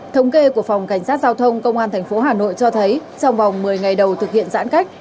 thống kê của phòng cảnh sát giao thông công an tp hà nội cho thấy trong vòng một mươi ngày đầu thực hiện giãn cách